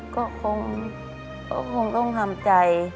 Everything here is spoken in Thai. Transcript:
ก็คงต้องทำใจ